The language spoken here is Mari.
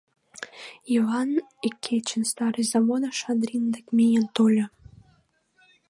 Йыван ик кечын Старый Заводыш Шадрин дек миен тольо.